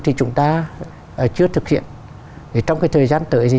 thì chúng ta chưa thực hiện thì trong cái thời gian tới thì